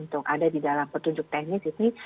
untuk ada di dalam petunjuk teknis ini